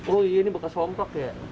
oh iya ini bekas hongkok ya